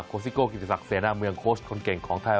ซิโก้กิติศักดิเสนาเมืองโค้ชคนเก่งของไทย